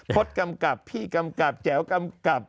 ทศกำกับพี่กำกับแจ๋วกำกับ